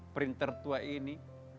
printer tua ini